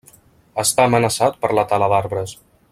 Està amenaçat per la tala d'arbres.